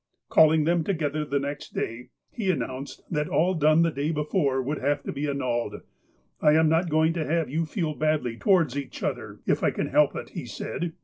Calling them together the next day, he announced that all done the day before would have to be annulled. ''I am not going to have you feel badly towards each other, if I can help it," he said.